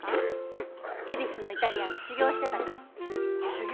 うん恵比寿のイタリアンで修業してたから修業？